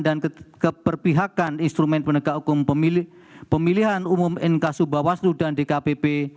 dan keperbiakan instrumen penegak hukum pemilihan umum nk subawaslu dan dkpp